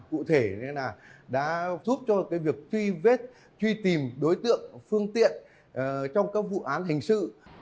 cụ thể là đã giúp cho việc truy vết truy tìm đối tượng phương tiện trong các vụ án hình sự